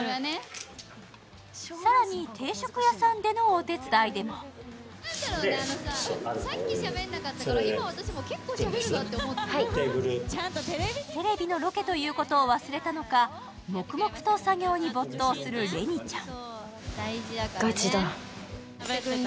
更に定食屋さんでのお手伝いでもテレビのロケということを忘れたのか、黙々と作業に没頭するれにちゃん。